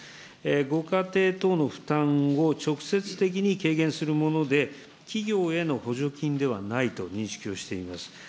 ご家庭等の負担を直接的に軽減するもので、企業への補助金ではないと認識をしています。